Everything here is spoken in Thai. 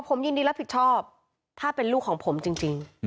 ผมยินดีรับผิดชอบถ้าเป็นลูกของผมจริง